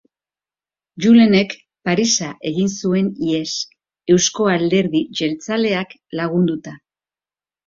Julenek Parisa egin zuen ihes, Eusko Alderdi Jeltzaleak lagunduta.